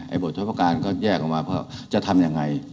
ไอ้บทฤษฐการก็แยกออกมาเพราะว่าจะทำยังไง